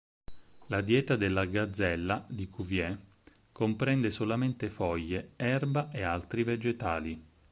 La dieta della gazzella di Cuvier comprende solamente foglie, erba e altri vegetali.